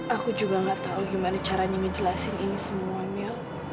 aku juga nggak tahu gimana caranya ngejelasin ini semua mio